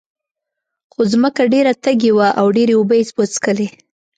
خو ځمکه ډېره تږې وه او ډېرې اوبه یې وڅکلې.